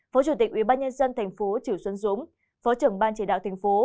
phó chủ tịch ủy ban nhân dân tp chỉu xuân dũng phó trưởng ban chỉ đạo tp